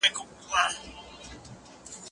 ايا ته وخت تېروې!.